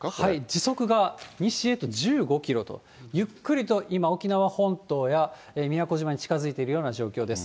時速が西へと１５キロと、ゆっくりと今、沖縄本島や宮古島に近づいているような状況です。